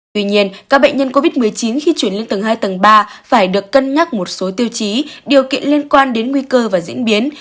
tuy nhiên các bệnh nhân covid một mươi chín khi chuyển lên tầng hai tầng ba phải được cân nhắc một số tiêu chí điều kiện liên quan đến nguy cơ và diễn biến